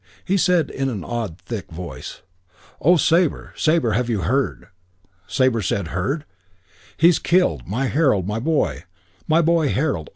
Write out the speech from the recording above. He said in an odd, thick voice, "Oh, Sabre, Sabre, have you heard?" Sabre said, "Heard?" "He's killed. My Harold. My boy. My boy, Harold.